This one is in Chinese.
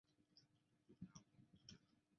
驼石鳖属为石鳖目石鳖科下的一个属。